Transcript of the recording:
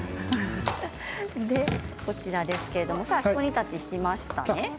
ひと煮立ちしましたね。